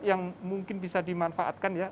yang mungkin bisa dimanfaatkan ya